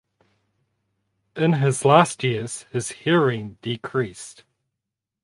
In his last years his hearing decreased.